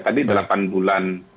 tadi delapan bulan